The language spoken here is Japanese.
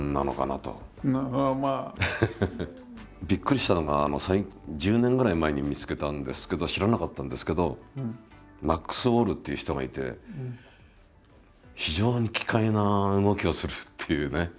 びっくりしたのが１０年ぐらい前に見つけたんですけど知らなかったんですけどマックス・ウォールっていう人がいて非常に奇怪な動きをするっていうね。